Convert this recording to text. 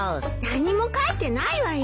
何も書いてないわよ。